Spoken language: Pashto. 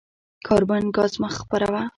کاربن ګاز مه خپروه.